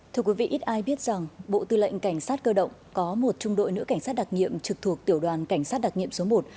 thưa quý vị ít ai biết rằng bộ tư lệnh cảnh sát cơ động có một trung đội nữ cảnh sát đặc nghiệm trực thuộc tiểu đoàn cảnh sát đặc nghiệm số một